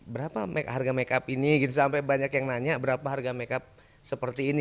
berapa harga makeup ini gitu sampai banyak yang nanya berapa harga makeup seperti ini